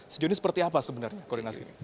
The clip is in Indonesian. sejauh ini seperti apa sebenarnya koordinasi ini